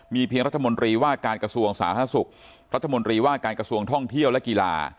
เพียงรัฐมนตรีว่าการกระทรวงสาธารณสุขรัฐมนตรีว่าการกระทรวงท่องเที่ยวและกีฬา